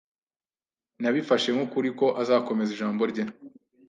Nabifashe nk'ukuri ko azakomeza ijambo rye.